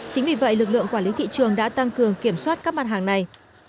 chính vì vậy lực lượng quản lý thị trường đã tăng cường kiểm soát các mặt hàng này